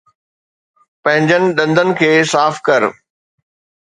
پنھنجن ڏندن کي صاف ڪر